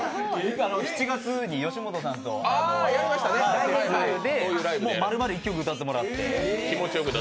７月によしもとさんとのライブで丸々１曲歌ってもらって。